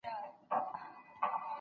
د تصوراتو پر ځای پر حقایقو تمرکز وکړه.